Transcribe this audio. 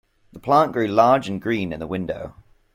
The plant grew large and green in the window.